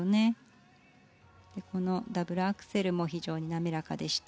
このダブルアクセルも非常に滑らかでした。